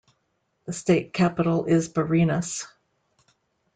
The state capital is Barinas.